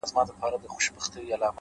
يو څو ژونده يې لاسو کي را ايسار دي’